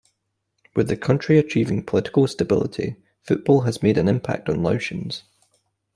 With the country achieving political stability, football has made an impact on Laotians.